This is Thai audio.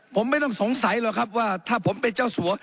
ผมไม่ต้องสงสัยหรอกครับว่าถ้าผมเป็นเจ้าสัว